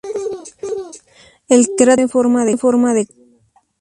El cráter tiene forma de copa.